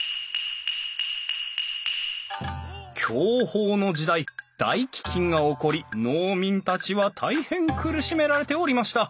享保の時代大飢饉が起こり農民たちは大変苦しめられておりました。